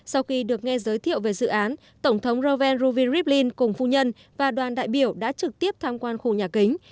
sau khi được nghe giới thiệu về dự án tổng thống roven ruvivlin cùng phu nhân và đoàn đại biểu đã trực tiếp tham quan khu nhà kính